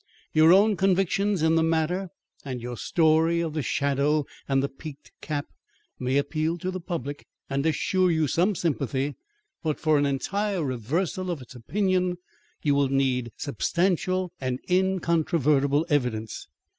Your own convictions in the matter, and your story of the shadow and the peaked cap may appeal to the public and assure you some sympathy, but for an entire reversal of its opinion you will need substantial and incontrovertible evidence.